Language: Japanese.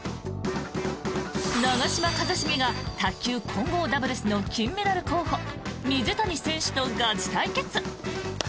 長嶋一茂が卓球混合ダブルスの金メダル候補水谷選手とガチ対決。